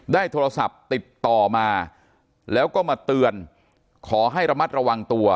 ได้โทรศัพท์ติดต่อมาแล้วก็มาเตือนขอให้ระมัดระวังตัว